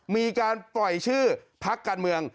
มีการปล่อยชื่อพักการเมือง